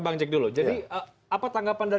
bang jack dulu jadi apa tanggapan dari